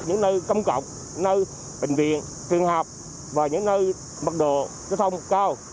những nơi công cộng nơi bệnh viện trường học và những nơi mật độ giao thông cao